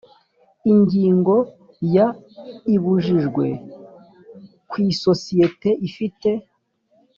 ingingo ya ibibujijwe ku isosiyete ifite